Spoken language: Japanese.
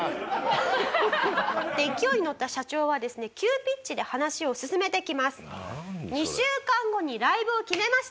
勢いにのった社長はですね急ピッチで話を進めていきます。